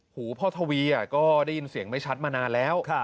หูพ่อทวีก็ได้ยินเสียงไม่ชัดมานานแล้ว